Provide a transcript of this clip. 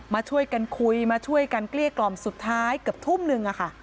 มาช่วยกันคุยมาช่วยกันเกลี้ยกล่อมสุดท้ายเกือบทุ่มนึง